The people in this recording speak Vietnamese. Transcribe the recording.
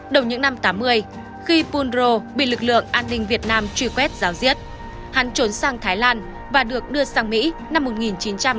đầu những năm tám mươi khi phú đô bị lực lượng an ninh việt nam truy quét giáo diết hắn trốn sang thái lan và được đưa sang mỹ năm một nghìn chín trăm tám mươi sáu